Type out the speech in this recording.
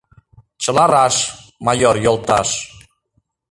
— Чыла раш, майор йолташ!